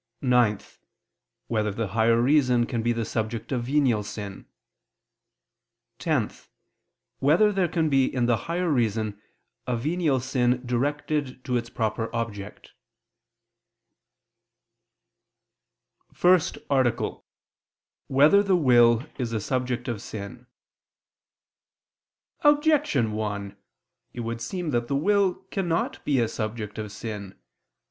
(9) Whether the higher reason can be the subject of venial sin? (10) Whether there can be in the higher reason a venial sin directed to its proper object? ________________________ FIRST ARTICLE [I II, Q. 74, Art. 1] Whether the Will Is a Subject of Sin? Objection 1: It would seem that the will cannot be a subject of sin.